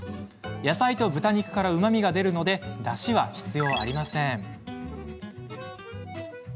野菜と豚肉からうまみが出るためだしは必要ありません。